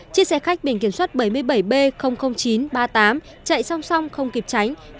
chiếc xe khách biển kiểm soát bảy mươi bảy b chín trăm ba mươi tám chạy song song không kịp tránh